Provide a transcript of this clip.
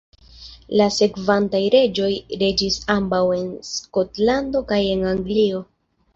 La sekvantaj reĝoj reĝis ambaŭ en Skotlando kaj en Anglio.